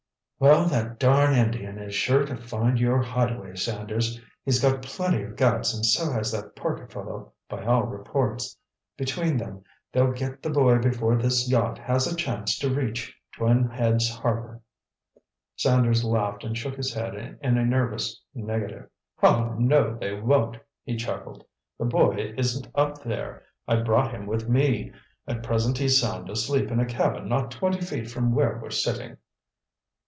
"Well, that darned Indian is sure to find your hideaway, Sanders. He's got plenty of guts and so has that Parker fellow by all reports. Between them, they'll get the boy before this yacht has a chance to reach Twin Heads Harbor." Sanders laughed and shook his head in a nervous negative. "Oh, no, they won't," he chuckled. "The boy isn't up there. I brought him with me. At present he's sound asleep in a cabin not twenty feet from where we're sitting!"